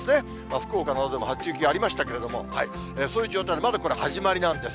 福岡などでも初雪がありましたけれども、そういう状態で、まだこれ、始まりなんです。